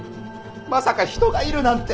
まさか人がいるなんて。